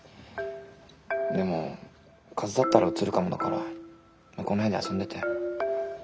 でも風邪だったらうつるかもだから向こうの部屋で遊んでて。